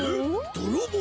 どろぼう？